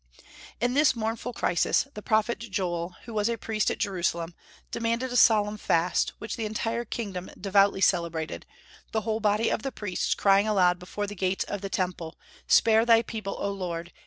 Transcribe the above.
In this mournful crisis the prophet Joel, who was a priest at Jerusalem, demanded a solemn fast, which the entire kingdom devoutly celebrated, the whole body of the priests crying aloud before the gates of the Temple, "Spare Thy people, O Lord!